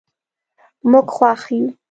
موږ خوښ یو.